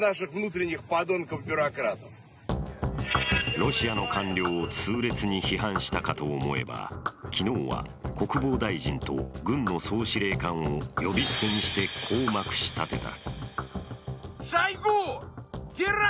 ロシアの官僚を痛烈に批判したかと思えば昨日は国防大臣と軍の総司令官を呼び捨てにしてこうまくしたてた。